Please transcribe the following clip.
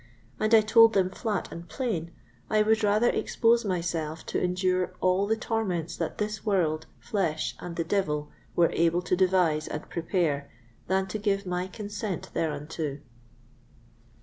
And I told them flat and plain, I would rather expose myself to endure all the torments that this world, flesh, and the devil were able to devise and prepare than to give my consent thereunto.